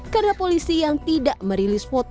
karena polisi yang tidak merilis foto